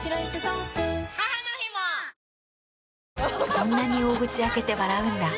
そんなに大口開けて笑うんだ。